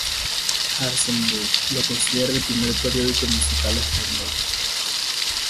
Hartzenbusch lo considera el primer periódico musical español.